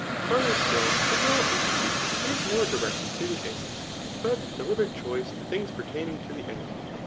Farther still, the will, indeed, is more directed tq the end, but deliberate choice to things pertaining tfx ibe end.